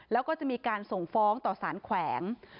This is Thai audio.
แล้วก็จะมีการส่งฟ้องต่อสารแขวง